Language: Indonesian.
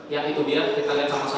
ya itu dia kita lihat sama sama